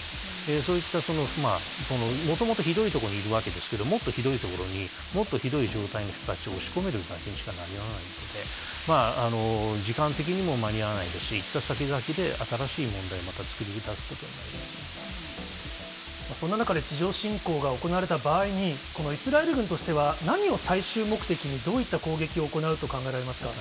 そういった、もともとひどい所にいるわけですけれども、もっとひどい所に、もっとひどい状態の人たちを押し込めるだけにしかならないので、時間的にも間に合わないですし、行った先々で新しい問題を、そんな中で、地上侵攻が行われた場合に、イスラエル軍としては、何を最終目的にどういった攻撃を行うと考えられますか。